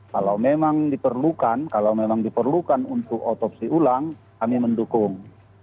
kalau memang diperlukan kalau memang diperlukan untuk otopsi ulang kami mendukung